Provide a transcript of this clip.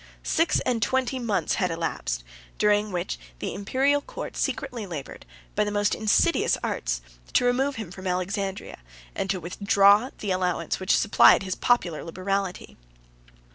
133 Six and twenty months had elapsed, during which the Imperial court secretly labored, by the most insidious arts, to remove him from Alexandria, and to withdraw the allowance which supplied his popular liberality.